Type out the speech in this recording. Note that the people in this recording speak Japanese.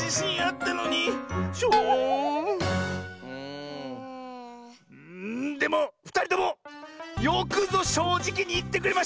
んでもふたりともよくぞしょうじきにいってくれました！